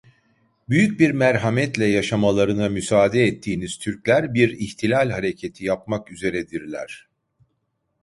Büyük bir merhametle yaşamalarına müsaade ettiğiniz Türkler bir ihtilal hareketi yapmak üzeredirler…